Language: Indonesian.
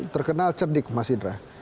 terkenal cerdik mas indra